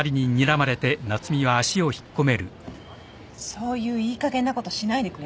そういういいかげんなことしないでくれる？